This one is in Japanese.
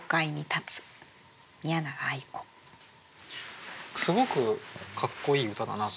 すごくかっこいい歌だなと思いました。